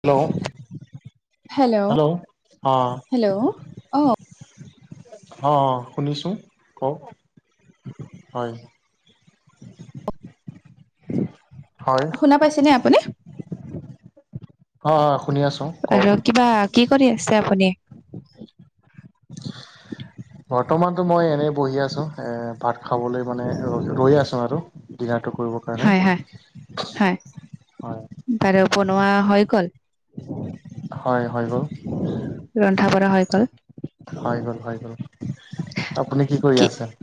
Hello hello অ। Hello অ শুনিছো কওক? হয়। হয় শুনা পাইছেনে আপুনি? অ শুনি আছোঁ কওক আৰু কিবা কি কৰি আছে আপুনি? বৰ্তমানতো মই এনেই বহি আছো, এ ভাত খাবলৈ মানে ৰ ৰৈ আছো আৰু ডিনাৰটো কৰিবৰ কাৰণে। হয় হয় হয় হয় বাৰু বনোৱা হৈ গ'ল? হয় হৈ গ'ল। ৰন্ধা বঢ়া হৈ গল। হৈ গল হৈ গ'ল, আপুনি কি কৰি আছে?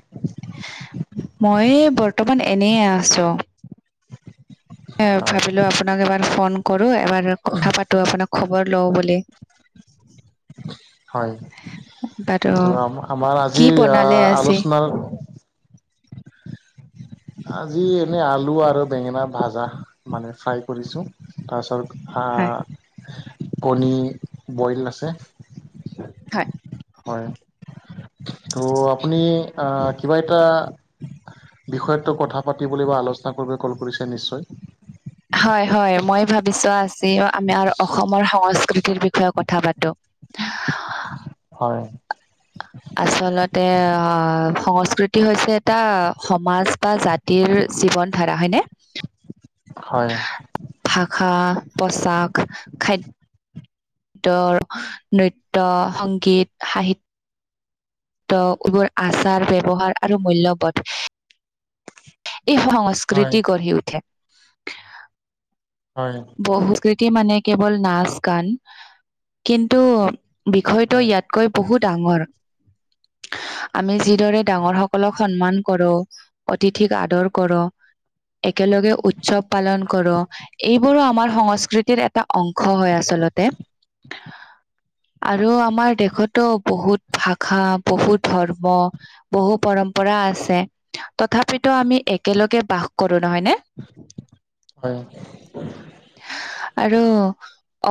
মই বৰ্তমান এনেই আছো। এ হয় ভাবিলো আপোনাক এবাৰ ফোন কৰো এবাৰ কথা পাতো আপোনাক খবৰ লওঁ বুলি। হয়, বাৰু ত আম আমাৰ কি আজি বনালে আজি আলোচনাৰ- আজি এনেই আলু আৰু বেঙেনা ভাজা মানে ফ্ৰাই কৰিছোঁ, তাৰপিছত- হাঁ হয় হাঁ কণী বইল আছে। হয়। হয়, ত' আপুনি আঁহ কিবা এটা- বিষয়ত টো কথা পাতিবলৈ বা আলোচনা কৰিব কল কৰিছে নিশ্চয়। হয় হয়, মই ভাবিচো আজি আমি আৰু অসমৰ সংস্কৃতিৰ বিষয়ে কথা পাতো। হয়। আচলতে অঁ সংস্কৃতি হৈছে এটা সমাজ বা জাত- তিৰ জীৱন ধাৰা হয়নে? হয়। ভাষা, পোচাক, খাইদ- দৰ নৃত্য, সংগীত, সাহিত- ত এইবোৰ আচাৰ ব্যৱহাৰ আৰু মূল্যবোধ। ই হয়, সংস্কৃতি গঢ়ি উঠে। হয়। বহুকৃতি মানে কেৱল নাচ গান, কিন্তু বিষয়টো হয়, হয়, ইয়াত- কৈ বহু ডাঙৰ, আমি যিদৰে হয়। ডাঙৰ সকলক- সন্মান কৰোঁ অতিথিক আদৰ কৰোঁ। একেলগে উৎসৱ পালন কৰোঁ, এইবোৰো আমাৰ সংস্কৃতিৰ এটা অংশ হয় আচলত- তে হয়, আৰু আমাৰ দেশতো বহুত- ভাষা বহু ধৰ্ম- বহু পৰম্পৰা আছে, তথাপিতো আমি একেলগে বাস কৰো নহয় নে? হয়। আৰু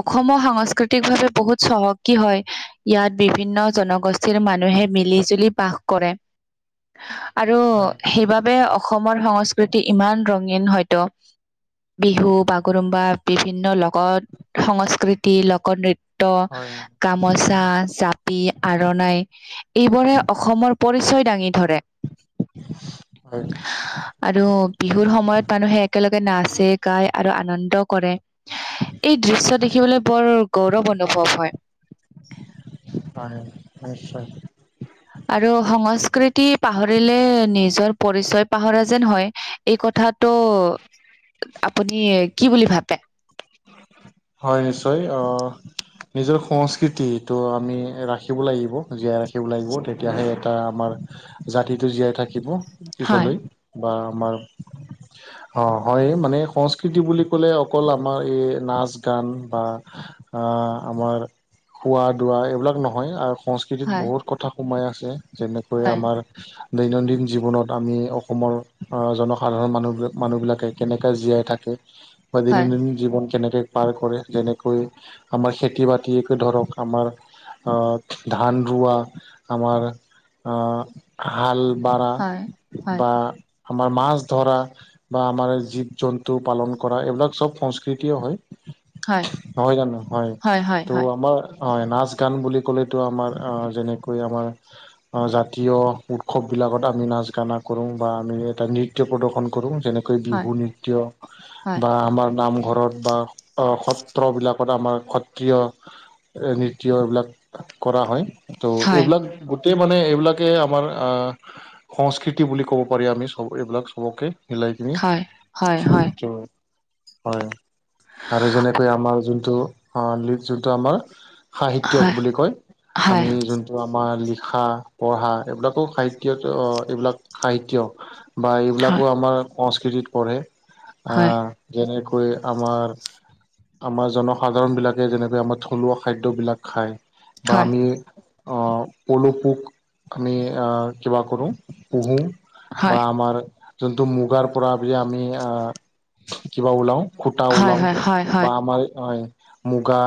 অসমো সাংস্কৃতিক ভাৱে বহুত চহকী হয়। ইয়াত বিভিন্ন জনগোষ্ঠীৰ মানুহে মিলি জুলি বাস কৰে। আৰু হয়, সেইবাবে অ- অসমৰ সংস্কৃতি ইমান ৰঙীন হয়তো বিহু- বাগৰুম্বা বিভিন্ন লোকত সংস্কৃতি, লোক নৃত্য- গামোচা, জাপি আৰু নাই। এইবোৰে অসমৰ পৰিচয় দাঙি ধৰে। হয়। আৰু বিহুৰ সময়ত মানুহে একেলগে নাচে গাই। আৰু আনন্দ কৰে, এই দৃশ্য দেখিবলৈ বৰ গৌৰৱ অনুভৱ হয়। হয়, নিশ্চয়। আৰু সংস্কৃতি পাহৰিলে নিজৰ পৰিচয় পাহৰা যেন হয়। এই কথাটো আপুনি কি বুলি ভাবে? হয় নিশ্চয়, অঁ'। নিজৰ সংস্কৃতিটো আমি ৰাখিব লাগিব জীয়াই ৰাখিব লাগিব, তেতিয়াহে এটা আমাৰ- জাতিটো জীয়াই থাকিব হয় পিছলৈ বা আমাৰ- অঁ হয় মানে, সংস্কৃতি বুলি ক'লে অকল আমাৰ এই নাচ- গান বা আমাৰ হোৱা দোৱা এইবিলাক নহয় সংস্কৃতিত হয় বহুত কথা সোমাই আছে যেনেকৈ হয় আমাৰ দৈনন্দিন জীৱনত আমি অসমৰ জনসাধাৰণ মানুহ মানুহবিলাকে কেনেকৈ জীয়াই থাকে [inaudible] বা দৈনন্দিন জীৱন কেনেকে পাৰ কৰে যেনেকৈ আমাৰ খেতি বাতিকে ধৰক আমাৰ অ ধান ৰুৱা আমাৰ অ হাল বাৰা হয় হয় বা আমাৰ মাছ ধৰা বা আমাৰ জীৱ জন্তু পালন কৰা এইবিলাক চব সংস্কৃতিও হয়। হয় নহয় জানো হয় হয় তো হয় আমাৰ হয় নাচ গান বুলি ক'লেতো আমাৰ অ যেনেকৈ আমাৰ অ জাতীয় উৎসৱবিলাকত আমি নাচ গানা কৰোঁ বা আমি এটা নৃত্য প্ৰদৰ্শন কৰোঁ যেনে কেই হয় বিহু নৃত্য হয় বা আমাৰ নামঘৰত বা অ সত্ৰবিলাকত আমাৰ সত্ৰিয় নৃত্য এইবিলাক কৰা হয় ত' হয় এইবিলাক গোটেই মানে এইবিলাকে আমাৰ আ সংস্কৃতি বুলি ক'ব পাৰি আমি চব এইবিলাক চবকে মিলাই কিনি হয় হয় হয় এইটো হয় আৰু যেনেকৈ আমাৰ যোনটো অ লিড যোনটো আমাৰ সাহিত্যক হয় বুলি কয় হয় আমি যোন আমাৰ লিখা পঢ়া এইবিলাকো সাহিত্য এইবিলাক সাহিত্য বা হয় এইবিলাকো আমাৰ সংস্কৃতিত পৰে আ হয় যেনেকৈ আমাৰ আমাৰ জনসাধাৰণ বিলাকে যেনেকৈ আমাৰ থলুৱা খাদ্যবিলাক খায় বা হয় আমি অ পলু পোক আমি কিবা কৰো পোহো হয় বা হয় আমাৰ যোনটো মুগাৰ পৰা যে আমি আ কিবা উলাও সূটা হয় ওলাও হয় হয় হয় [unintelligible] মুগা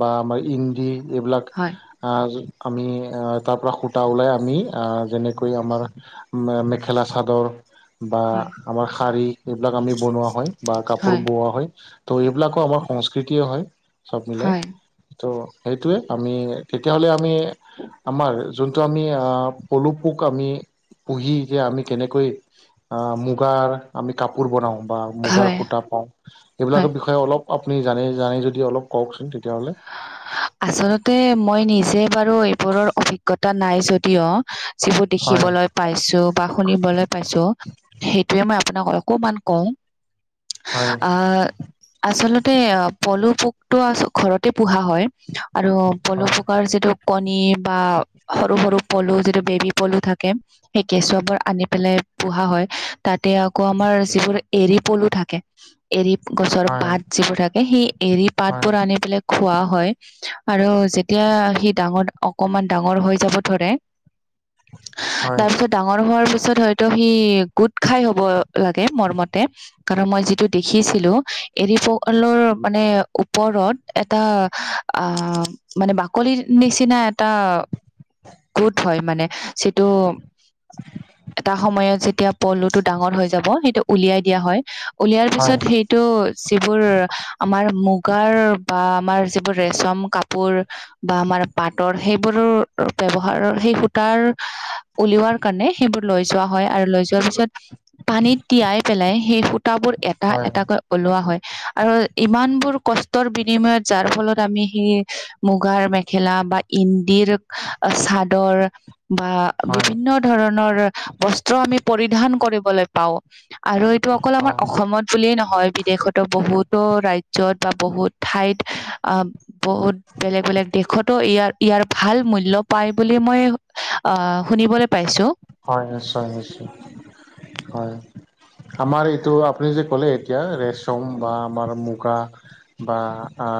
বা আমাৰ ইন্দি এইবিলাক হয় আ আমি আ তাৰ পৰা সূতা ওলাই আমি আহ যেনেকৈ আমাৰ মেখেলা চাদৰ বা আমাৰ শাৰী এইবিলাক আমি বনোৱা হয় বা কাপোৰ হয় বোৱা হয় ত' এইবিলাকো আমাৰ সংস্কৃতিয়ে হয় চব মিলাই হয় ত' সেইটোৱে আমি তেতিয়াহ'লে আমি আমাৰ যোনটো আমি আ পলু পোক আমি পুহি যে আমি কেনেকৈ অ মুগাৰ আমি কাপোৰ বনাও বা মুগাৰ হয় সূতা পাওঁ হয় এইবিলাকৰ বিষয়ে অলপ আপুনি জানে জানে যদি অলপ কওঁকচোন তেতিয়াহ'লে আচলতে মই নিজে বাৰু এইবোৰৰ অভিজ্ঞতা নাই যদিও যিবোৰ হয় দেখিবলৈ পাইছো বা শুনিবলৈ পাইছো সেইটোৱে মই আপোনাক অকমান কওঁ। হয় আহ আচলতে পলু পোকতো আ ঘৰত পোহা হয় আৰু পলু হয় পোকৰ যিটো কণী বা সৰু সৰু পলু যিটো বেবি পলু থাকে সেই কেঁচুৱাবোৰ আনি পেলাই পোহা হয় তাতে আকৌ আমাৰ যিবোৰ এৰী পলু থাকে এৰী গছৰ হয় পাত যিবোৰ থাকে সেই এৰী হয় পাতবোৰ আনি পেলাই খোৱা হয় আৰু যেতিয়া সি ডাঙৰ অকমান ডাঙৰ হৈ যাব ধৰে হয় তাৰপিছত - ডাঙৰ হোৱাৰ পিছত হয়তো সি গোট খাই হ'ব লাগে মোৰমতে - কাৰণ মই যিটো দেখিছিলো এৰী পলুৰ মানে ওপৰত - এটা আহ মানে বাকলিৰ নিচিনা এটা - গোট হয় মানে চিটো - এটা সময়ত যেতিয়া পলুটো ডাঙৰ হৈ যাব সেইটো উলিয়াই দিয়া হয়। উলিয়াৰ হয় পিছত সেইটো যিবোৰ আমাৰ মুগাৰ - বা আমাৰ যিবোৰ ৰেচম কাপোৰ - বা আমাৰ পাটৰ সেইবোৰৰ ব্যৱহাৰৰ সেই সূতাৰ - উলিওৱাৰ কাৰণে সেইবোৰ লৈ যোৱা হয় আৰু লৈ যোৱাৰ পিছত - পানীত তিয়াই পেলাই সেই সূতাবোৰ এটা হয় এটাকৈ - ওলোৱা হয় আৰু ইমান বোৰ কষ্টৰ বি নিময়ত যাৰ ফলত আমি সেই মুগাৰ মেখেলা বা ইন্দিৰক চাদৰ - বা হয় বিভিন্ন ধৰণৰ বস্ত্ৰ আমি পৰিধান কৰিবলে পাও। আৰু এইটো অকল আমাৰ হয় অসমত বুলিয়েই নহয় বিদেশতো বহুতো ৰাজ্যত বা বহুত - ঠাইত, অ বহুত বেলেগ বেলেগ দেশতো ইয়াৰ - ইয়াৰ ভাল মূল্য পায় বুলি মই আহ শুনিবলে পাইছো। হয় নিশ্চয় নিশ্চয়, হয়। আমাৰ এইটো আপুনি যে ক'লে এতিয়া ৰেচম বা আমাৰ মুগা - বা অ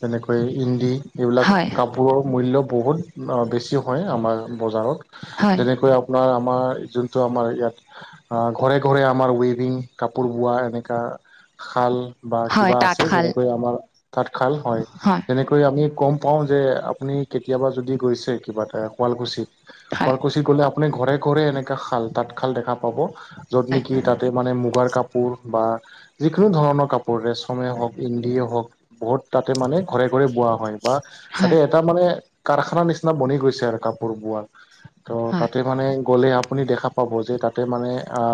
যেনেকৈ ইন্দি। এইবিলাক হয় কাপোৰৰ মূল্য বহুত অ বেছি হয় আমাৰ বজাৰত। হয় যেনেকৈ আপোনাৰ আমাৰ যোনটো আমাৰ ইয়াত - ঘৰে ঘৰে আমাৰ ৱেভিং কাপোৰ বোৱা এনেকা শাল - বা হয় কিবা আছে তাঁতশাল যেনেকৈ আমাৰ তাত শাল হয়, তেনে কৈ আমি গম পাওঁ যে আপুনি কেতিয়াবা যদি গৈছে কিবা এটা শুৱালকুছিত - হয়। কুছি গলে আপুনি ঘৰে ঘৰে এনেকা শাল তাঁতশাল দেখা পাব, যত নেকি তাতে মানে মুগাৰ কা পোৰ বা - যিকোনো ধৰণৰ কাপোৰ ৰেচমেই হওক ইণ্দিয়ে হওক বহুত তাতে মানে ঘৰে ঘৰে বোৱা হয়। বা তাতে এটা মানে কাৰখানা নিচিনা বনি গৈছে আৰু কাপোৰ বোৱা। ত' তাতে মানে গ'লে আপুনি দেখা পাব যে তাতে মানে আ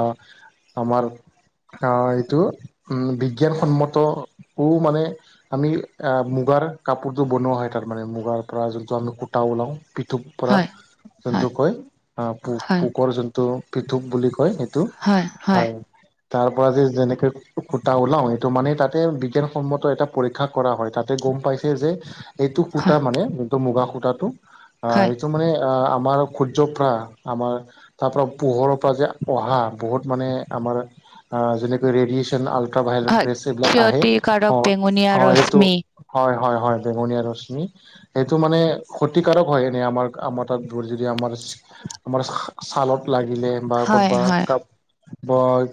আমাৰ - অঁ এইটো উম বিজ্ঞানসন্মত ও মানে - আমি আঁ মুগাৰ কাপোৰটো বনোৱা হয় তাতমানে মুগাৰ পৰা যোনটো আমি সুতা ওলাওঁ - পৃঠুক পৰা। যোনটো কয় আহ পোক পোকৰ যোনটো পৃথুক বুলি কয় সেইটো হয়। তাৰ পৰা যে যেনেকে সুতা ওলাও সেইটো মানে তাতে বিজ্ঞানসন্মত এটা পৰী ক্ষা কৰা হয়, তাতে গম পাইছে যে - সেইটো সূতা মানে যোনটো মুগা সূতাটো অ এইটো মানে অ - আমাৰ সূৰ্য্য পৰা আমাৰ - তাৰ পৰা পোহৰৰ পৰা যে অহা বহুত মানে আমাৰ অঁ যেনেকৈ ৰেডিয়েচন আল ট্ৰাভাইলেট ৰেছ এইবিলাক আহে অ বেঙুনীয়া অ সেইটো। ৰশ্মি। হয় হয় হয় বেঙুনীয়া ৰশ্মি সেইটো মানে ক্ষতিকাৰক হয় এনেই আমাৰ আমাৰ তাত - তোৰ যদি আমাৰ আমাৰ ছালত লাগিলে বা হয়, কতবা হয়, কাপ বয়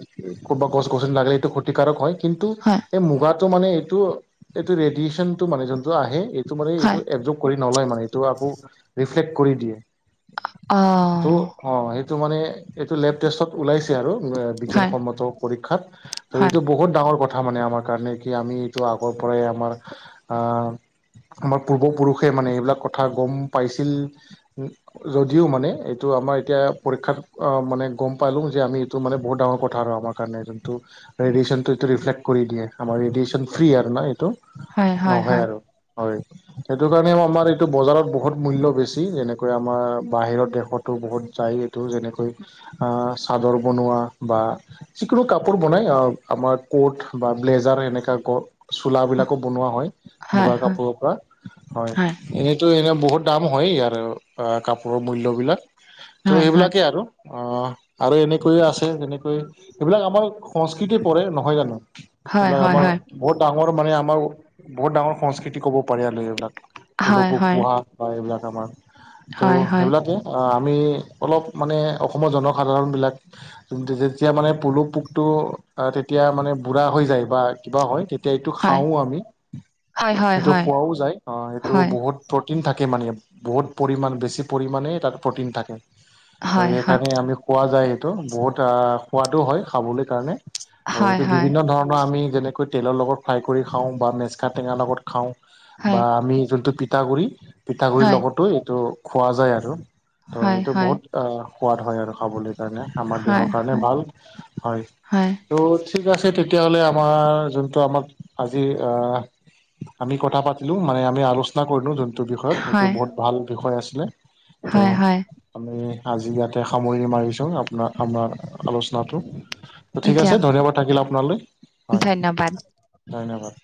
ক'বা গছ গছনি লাগেলেটো ক্ষতিকাৰক হয় কিন্তু হয়, এই মুগাত - টো মানে এইটো এইটো ৰেদিচনটো মানে যোনটো আঁহে এইটো মানে এইটো হয়, এজো - কৰি নলয় মানে আকৌ ৰিফ্লেক কৰি দিয়ে। অ'। টো অ' সেইটো মানে এইটো লেভ টেষ্টত ওলাইছে আৰু। ৱে হয়, বিজ্ঞানসন্মত পৰীক্ষাত ত' হয়, এইটো বহুত ডাঙৰ কথা মানে আমাৰ। মানে কি আমি এইটো আগৰ পৰাই আমাৰ আ আমাৰ পূৰ্বপুৰুষে মানে এইবিলাক কথা গম পাইছিল। উ যদিও মানে এইটো আমাৰ এতিয়া পৰীক্ষাত মানে গম পালো যে আমি তো মানে বহুত ডাঙৰ কথা আৰু আমাৰ কাৰণে যোনটো ৰেডিয়েচনটোটো ৰিফ্লেক্ট কৰি দিয়ে আমাৰ ৰেডিয়েচন ফ্ৰী আৰু না এইটো। হয়, হয়, নহয় হয়, আৰু হয় সেটো কাৰণে আমাৰ এইটো বজাৰত বহুত মূল্য বেছি যেনে কৈ আমাৰ বাহিৰ দেশতো বহুত যায় এইটো যেনেকৈ আ চাদৰ বনোৱা বা যিকোনো কাপোৰ বনাই আহ আমাৰ ক'ট বা ব্লেজাৰ সেনেকা গ চোলা বিলাকো বনোৱা হয় হয়, হয়, মুগাৰ কাপোৰৰ পৰা হয়। এনেইতো এনেই বহুত দাম হয় ইয়াৰ কাপোৰৰ মূল্যবিলাক তো হয়, হয়, সেইবিলাকেই আৰু। অ আৰু এনেকৈয়ে আছে যেনেকৈ এইবিলাক আমাৰ সংস্কৃতিয পৰে নহয় জানো। হয়, হয়, এইবিলাক হয়, আমাৰ বহুত ডাঙৰ মানে আমাৰ বহুত ডাঙৰ সংস্কৃতি কব পাৰি আৰু এইবিলাক। পল হয়, হয়, হয়, বোৰ পোহা বা এইবিলাক আমাৰ ত' হয়, সেইবিলাকে‌ আহ আমি অলপ মানে অসমৰ জনসাধাৰণ বিলাক যেতিয়া মানে পলু পোকটো তেতিয়া মানে বুঢ়া হৈ যায় বা কিবা হয় ত'এইটো খাওঁ আমি হয়, সেইটো হয়, হয়, খোৱাও যায় অ সেইটো বহুত প্ৰটিন থাকে মানে বহুত পৰিমাণ বেছি পৰিমাণে তাত প্ৰটিন থাকে। ত' সেইকাৰণে আমি কোৱা যায় সেইটো বহুত আ সোৱাদ হয় খাবলৈ কাৰণে। আৰু এইটো বিভিন্ন ধৰণৰ আমি যেনেকৈ তেলৰ লগত ফ্ৰাই কৰি খাওঁ বা মেচকা টেঙা লগত খাওঁ বা আমি যোনটো পিঠাগুৰি পিঠাগুৰিৰ লগতো টো খোৱা যায় আৰু ত এইটো বহুত আ সোৱাদ হয় আৰু খাবলৈ। কাৰণে আমাৰ দেহৰ কাৰণে ভাল হয়। ত' ঠিক আছে তেতিয়াহলে আমাৰ যোনটো আমাক আজি অ আমি কথা পাতিলো মানে আমি আগষ্ট আলোচনা কৰিলো যোনটো বিষয়ত সেইটো বহুত ভাল বিষয় আছিলে ত' আমি আজি ইয়াতে সামৰি মাৰিছো আপোনাৰ আমাৰ আলোচনাটো টো ঠিক আছে দিয়ক ধন্যবাদ থাকিল আপোনালে। ধন্যবাদ। ধন্যবাদ।